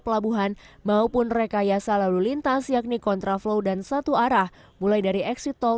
pelabuhan maupun rekayasa lalu lintas yakni kontraflow dan satu arah mulai dari eksit tol